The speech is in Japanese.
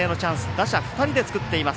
打者２人で作っています。